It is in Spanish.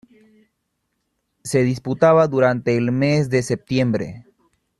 Se disputaba durante el mes de septiembre.